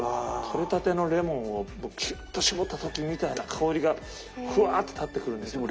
取れたてのレモンをキュッと搾った時みたいな香りがフワッと立ってくるんですよね。